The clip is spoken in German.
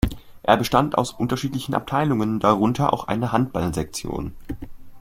Er bestand aus unterschiedlichen Abteilungen, darunter auch eine Handballsektion.